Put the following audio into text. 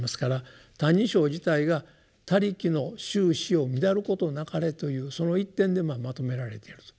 「歎異抄」自体が「他力の宗旨を乱ることなかれ」というその一点でまとめられていると。